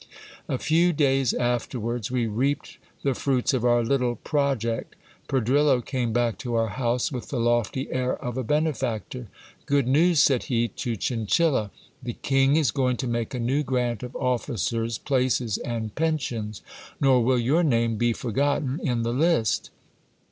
A few days afterwards we reaped the fruits of our little pro ject. Pedrillo came back to our house with the lofty air of a benefactor. Good news, said he to Chinchilla. The king is going to make a new grant of officers, places, and pensions ; nor will your name be forgotten in the list.